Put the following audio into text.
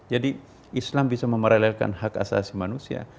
jadi islam bisa memaralelkan hak asasi manusia